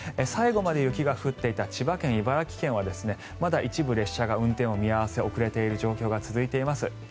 最後まで雪が降っていた千葉県、茨城県はまだ一部列車が運転を見合わせ遅れている状況が続いています。